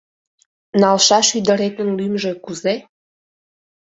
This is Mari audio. — Налшаш ӱдыретын лӱмжӧ кузе?